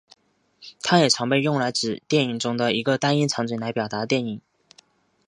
它也常被用来指电影中的多个单一场景来表现电影。